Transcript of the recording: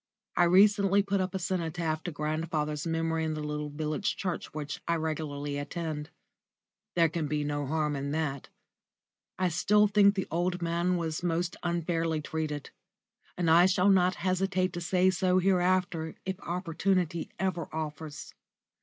I recently put up a cenotaph to grandfather's memory in the little village church which I regularly attend. There can be no harm in that. I still think the old man was most unfairly treated, and I shall not hesitate to say so hereafter if opportunity ever offers.